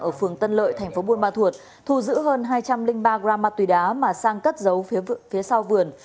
ở phường tân lợi tp bunma thuộc thu giữ hơn hai trăm linh ba g ma túy đá mà sang cất giấu phía sau vườn